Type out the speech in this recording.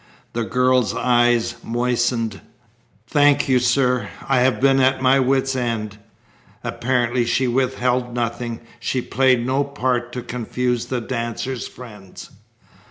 The girl's eyes moistened. "Thank you, sir. I have been at my wits' end." Apparently she withheld nothing. She played no part to confuse the dancer's friends.